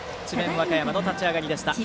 和歌山の立ち上がりでした。